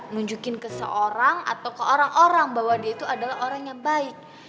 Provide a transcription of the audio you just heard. nunjukin ke seorang atau ke orang orang bahwa dia itu adalah orang yang baik